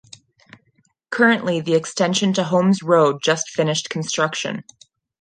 Currently the extension to Holmes Road just finished construction.